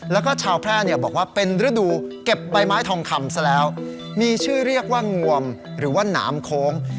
แล้วก็ชาวแพร่เนี่ยบอกว่าเป็นฤดูเก็บใบไม้ทองคำซะแล้วมีชื่อเรียกว่างวมหรือว่าหนามโค้ง